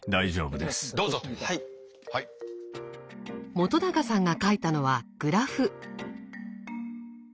本さんが書いたのはグラフ。